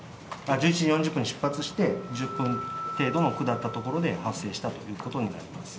１１時４０分に出発して１０分程度の下った所で発生したということになります。